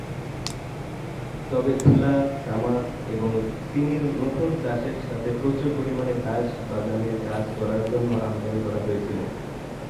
তবে তুলা, তামাক এবং চিনির নতুন চাষের সাথে প্রচুর পরিমাণে দাস বাগানের কাজ করার জন্য আমদানি করা হয়েছিল।